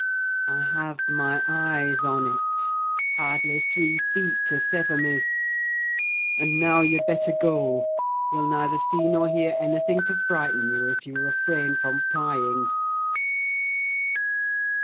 I have my eyes on it: hardly three feet to sever me! And now you'd better go! You'll neither see nor hear anything to frighten you, if you refrain from prying."